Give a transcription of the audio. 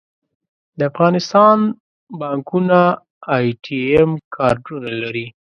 د افغانستان بانکونه اې ټي ایم کارډونه لري